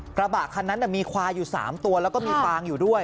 กระบะคันนั้นมีควายอยู่๓ตัวแล้วก็มีฟางอยู่ด้วย